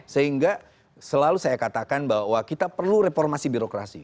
sehingga selalu saya katakan bahwa kita perlu reformasi birokrasi